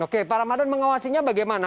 oke pak ramadan mengawasinya bagaimana